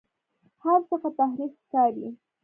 هر هڅه تحریف ښکاري.